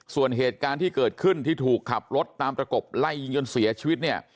ส่วนเหตุการณ์ที่เกิดขึ้นที่ถูกขับรถตามประกบไล่ยิงจนเสียชีวิตเนี่ย